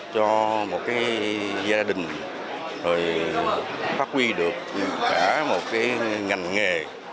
cho một gia đình phát huy được cả một ngành nghề